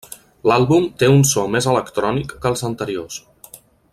L'àlbum té un so més electrònic que els anteriors.